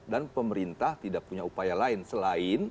dan pemerintah tidak punya upaya lain selain